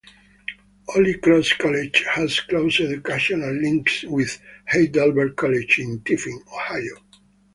Holy Cross College has close educational links with Heidelberg College in Tiffin, Ohio.